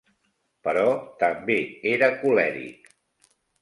Però també era colèric.